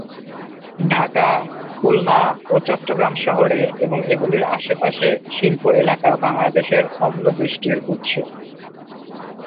ঢাকা, খুলনা ও চট্টগ্রাম শহরে এবং এগুলির আশপাশের শিল্প এলাকা বাংলাদেশে অম্লবৃষ্টির উৎস।